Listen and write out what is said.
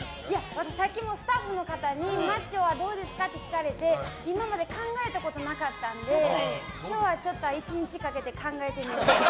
私、スタッフの方にマッチョはどうですかと聞かれて、今まで考えたことなかったので今日はちょっと一日かけて考えてみます。